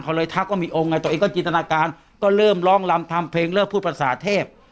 เขาเลยทักว่ามีองค์ไงตัวเองก็จินตนาการก็เริ่มร้องลำทำเพลงเริ่มพูดภาษาเทพ